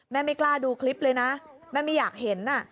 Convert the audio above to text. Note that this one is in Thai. ไม่กล้าดูคลิปเลยนะแม่ไม่อยากเห็น